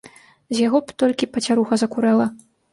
З яго б толькі пацяруха закурэла!